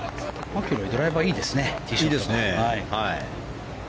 マキロイドライバーいいですね。